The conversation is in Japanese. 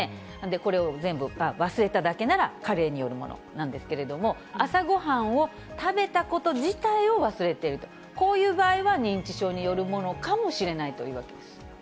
これを全部忘れただけなら、加齢によるものなんですけれども、朝ごはんを食べたこと自体を忘れていると、こういう場合は認知症によるものかもしれないというわけです。